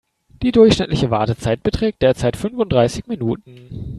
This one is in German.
Die durchschnittliche Wartezeit beträgt derzeit fünfunddreißig Minuten.